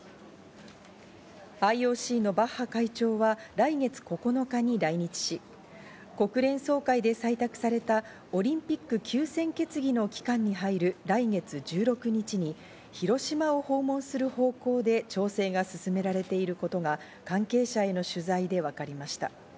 ＩＯＣのバッハ会長は来月９日に来日し、国連総会で採択されたオリンピック休戦決議の期間に入る来月１６日に広島を訪問する方向で調整が進められていることが関係者への取材で分かりました。